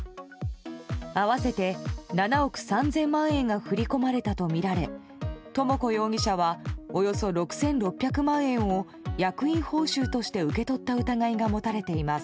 合わせて７億３０００万円が振り込まれたとみられ智子容疑者はおよそ６６００万円を役員報酬として受け取った疑いが持たれています。